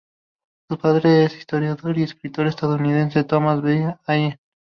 Su padre es el historiador y escritor estadounidense Thomas B. Allen.